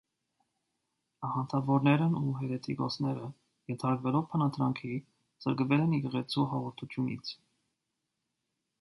Աղանդավորներն ու հերետիկոսները, ենթարկվելով բանադրանքի, զրկվել են եկեղեցու հաղորդությունից։